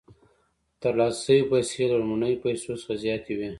ترلاسه شوې پیسې له لومړنیو پیسو څخه زیاتې وي